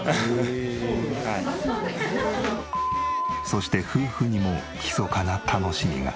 そして夫婦にもひそかな楽しみが。